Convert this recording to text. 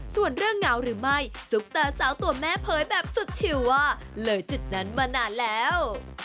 ส่วนเรื่องเหงาหรือไม่ซุปเตอร์สาวตัวแม่เผยแบบสุดชิวว่าเลยจุดนั้นมานานแล้ว